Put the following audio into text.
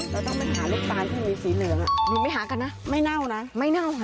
เราต้องไปหาลูกตาลที่มีสีเหลืองหนูไม่หากันนะไม่เน่านะไม่เน่าค่ะ